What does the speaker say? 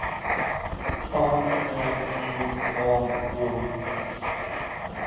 ан ен ин он ун